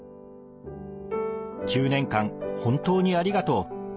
「９年間本当にありがとう」